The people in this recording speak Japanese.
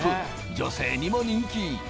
女性にも人気。